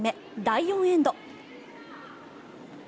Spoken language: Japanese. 第４エンド。